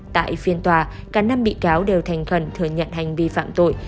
tại phiên tòa cả năm bị cáo đều thành khẩn thừa nhận hành vi phạm tội